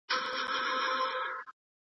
په جلال اباد کي صنعتي کاروبار څنګه وده کړې ده؟